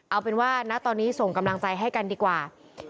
เอาเป็นว่าณตอนนี้ส่งกำลังใจให้กันดีกว่า